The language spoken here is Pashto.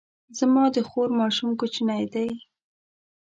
زما د خور ماشوم کوچنی دی